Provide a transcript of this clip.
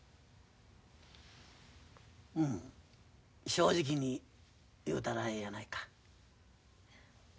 正直に言うたらええやないか。